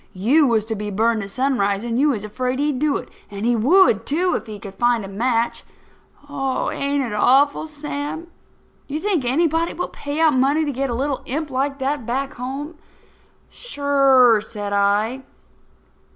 You was to be burned at sunrise, and you was afraid he'd do it. And he would, too, if he could find a match. Ain't it awful, Sam? Do you think anybody will pay out money to get a little imp like that back home?" "Sure," said I.